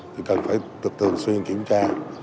thì cần phải thường xuyên kiểm tra